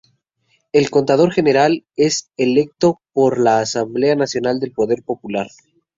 El Contralor General es electo por la Asamblea Nacional del Poder Popular.